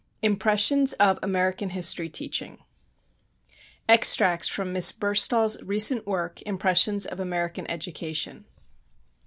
Impressions of American History Teaching EXTRACTS FROM MISS BURSTALL'S RECENT WORK, "IMPRESSIONS OF AMERICAN EDUCATION."